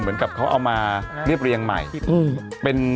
มันติดคุกออกไปออกมาได้สองเดือน